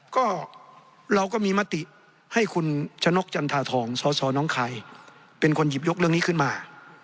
ก็เราก็มีมติให้คุณชะนกจันทาทองสสน้องคายเป็นคนหยิบยกเรื่องนี้ขึ้นมา